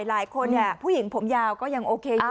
หลายคนเนี่ยผู้หญิงผมยาวก็ยังโอเคอยู่